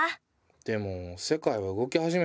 でも世界は動き始めてるよ。